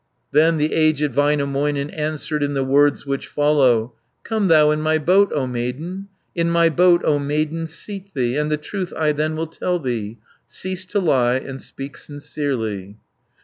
Then the aged Väinämöinen Answered in the words which follow: "Come thou in my boat, O maiden, In my boat, O maiden seat thee, And the truth I then will tell thee, Cease to lie, and speak sincerely."